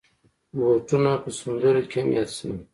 بوټونه په سندرو کې هم یاد شوي.